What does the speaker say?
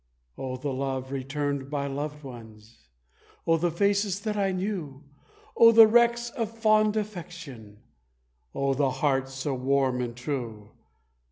Oh, the love returned by loved ones! Oh, the faces that I knew! Oh, the wrecks of fond affection! Oh, the hearts so warm and true!